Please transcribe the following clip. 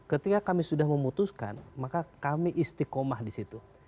ketika kami sudah memutuskan maka kami istiqomah di situ